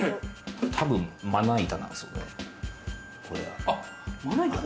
たぶん、まな板なんですよ、これ。